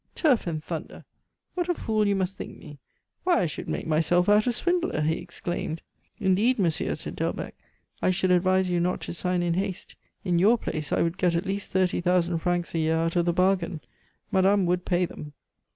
"Turf and thunder! What a fool you must think me! Why, I should make myself out a swindler!" he exclaimed. "Indeed, monsieur," said Delbecq, "I should advise you not to sign in haste. In your place I would get at least thirty thousand francs a year out of the bargain. Madame would pay them."